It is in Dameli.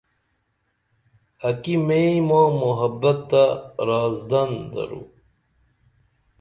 اکی مئیں ما محبت تہ رازدن درو